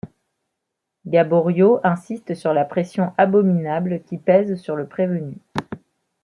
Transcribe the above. Gaboriau insiste sur la pression abominable qui pèse sur le prévenu.